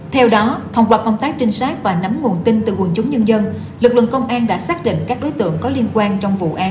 theo đó thông qua công tác trinh sát và nắm nguồn tin từ quần chúng nhân dân lực lượng công an đã xác định các đối tượng có liên quan trong vụ án